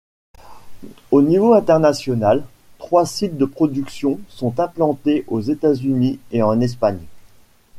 Au niveau international, trois sites de production sont implantés aux États-Unis et en Espagne.